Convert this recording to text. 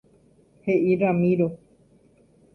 He'i Ramiro.